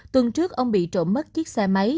tuần trước ông bị trộm mất chiếc xe máy